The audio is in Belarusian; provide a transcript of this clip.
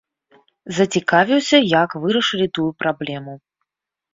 Зацікавіўся, як вырашылі тую праблему.